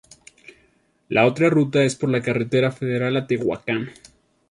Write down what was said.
La otra ruta es por la carretera federal a Tehuacán.